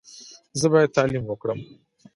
زه باید تعلیم وکړم.